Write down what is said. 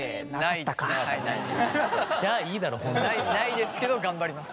ないないですけど頑張ります。